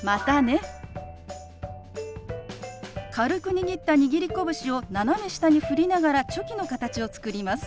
軽く握った握り拳を斜め下に振りながらチョキの形を作ります。